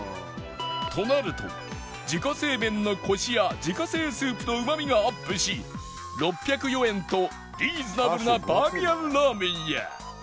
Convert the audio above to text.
となると自家製麺のコシや自家製スープのうまみがアップし６０４円とリーズナブルなバーミヤンラーメンや